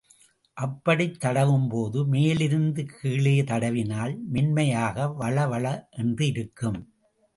அப்படித் தடவும்போது மேலிருந்து கீழே தடவினால் மென்மையாக வழவழ என்றிருக்கும்.